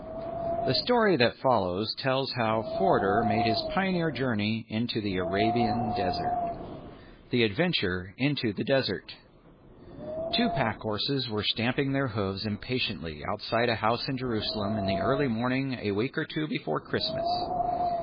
The story that follows tells how Forder made his pioneer journey into the Arabian desert. The Adventure into the Desert Two pack horses were stamping their hoofs impatiently outside a house in Jerusalem in the early morning a week or two before Christmas.